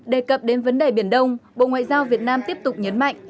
đề cập đến vấn đề biển đông bộ ngoại giao việt nam tiếp tục nhấn mạnh